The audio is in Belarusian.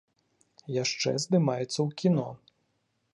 Яшчэ здымаецца ў кіно.